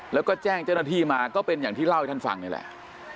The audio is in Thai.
แล้วก็แจ้งเจ้าหน้าที่มาก็เป็นอย่างที่เล่าให้ท่านฟังนี่แหละ